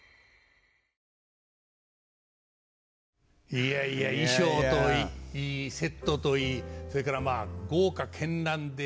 いやいや衣装といいセットといいそれからまあ豪華絢爛で。